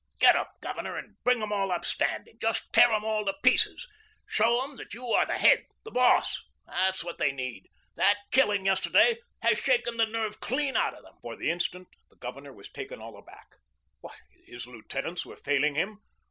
Get up, Governor, and bring 'em all up standing. Just tear 'em all to pieces, show 'em that you are the head, the boss. That's what they need. That killing yesterday has shaken the nerve clean out of them." For the instant the Governor was taken all aback. What, his lieutenants were failing him?